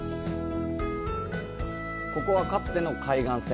ここは、かつての海岸線。